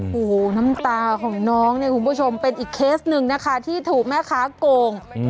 โอ้โหน้ำตาของน้องเนี่ยคุณผู้ชมเป็นอีกเคสหนึ่งนะคะที่ถูกแม่ค้าโกง